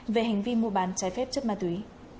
về hành vi mua bán trái phép chất ma túy